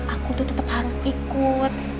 aku tuh tetap harus ikut